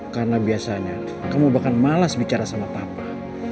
karena biasanya kamu bahkan malas bicara sama papa